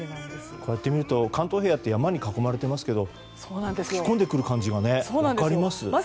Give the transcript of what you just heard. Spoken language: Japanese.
こうしてみると関東平野って山に囲まれていますが吹き込んでくる感じが分かります。